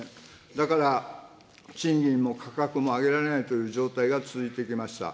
だから賃金も価格も上げられないという状態が続いてきました。